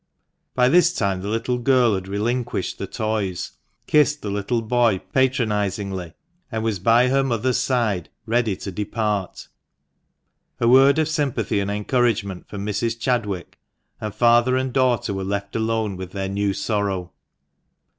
By this time the little girl had relinquished the toys, kissed the little boy patronisingly, and was by her mother's side, ready to depart. A word of sympathy and encouragement from Mrs. Chadwick, and father and daughter were left alone with their new sorrow.